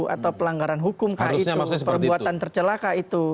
atau pelanggaran hukum kah itu perbuatan tercelaka itu